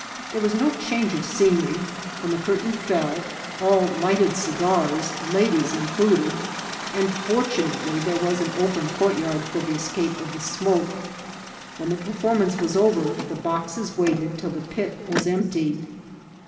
There was no change of scenery; when the curtain fell, all lighted cigars, ladies included, and, fortunately, there was an open courtyard for the escape of the smoke. When the performance was over, the boxes waited till the pit was emptied.